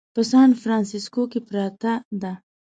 په سان فرانسیسکو کې پرته ده.